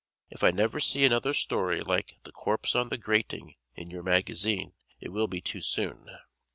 If I never see another story like "The Corpse on the Grating" in your magazine it will be too soon.